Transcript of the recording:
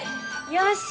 よし！